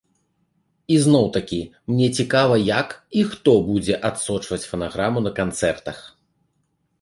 І зноў-такі, мне цікава як і хто будзе адсочваць фанаграму на канцэртах.